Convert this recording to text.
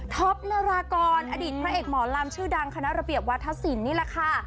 ท็อปณรากรอดิ่นพระเอกหมอนรามชื่อดังคณะระเบียบวาทธาศิลป์นี่แหละค่ะ